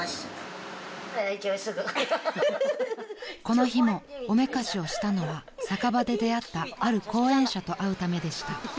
［この日もおめかしをしたのは酒場で出会ったある後援者と会うためでした］